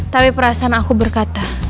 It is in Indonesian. tapi perasaan aku berkata